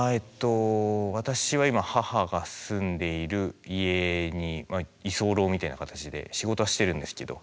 私は今母が住んでいる家に居候みたいな形で仕事はしてるんですけど。